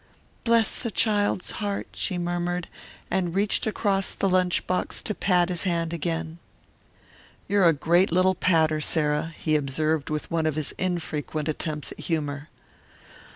'" "Bless the child's heart," she murmured, and reached across the lunch box to pat his hand again. "You're a great little patter, Sarah," he observed with one of his infrequent attempts at humour.